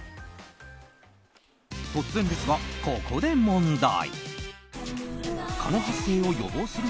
突然ですが、ここで問題。